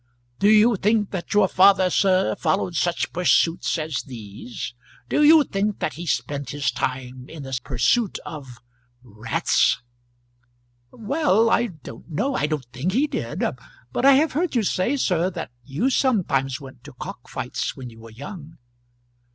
"Do you think that your father, sir, followed such pursuits as these? Do you think that he spent his time in the pursuit of rats?" "Well; I don't know; I don't think he did. But I have heard you say, sir, that you sometimes went to cockfights when you were young."